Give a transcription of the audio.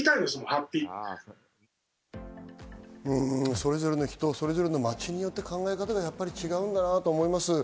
それぞれの人、それぞれの町によって考え方が違うんだなと思います。